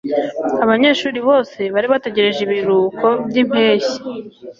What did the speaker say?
abanyeshuri bose bari bategereje ibiruhuko byimpeshyi